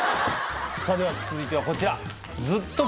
さぁでは続いてはこちら。